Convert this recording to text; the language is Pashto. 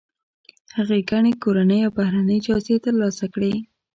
هغې ګڼې کورنۍ او بهرنۍ جایزې ترلاسه کړي.